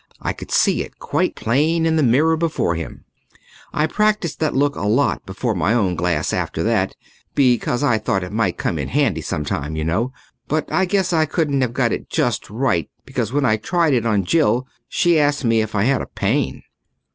I could see it quite plain in the mirror before him. I practised that look a lot before my own glass after that because I thought it might come in handy some time, you know but I guess I couldn't have got it just right because when I tried it on Jill she asked me if I had a pain.